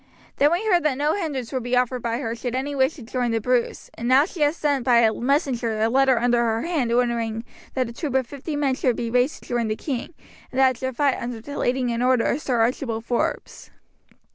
Then we heard that no hindrance would be offered by her should any wish to join the Bruce; and now she has sent by a messenger a letter under her hand ordering that a troop of fifty men shall be raised to join the king, and that it shall fight under the leading and order of Sir Archibald Forbes."